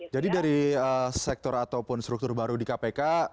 jadi dari sektor ataupun struktur baru di kpk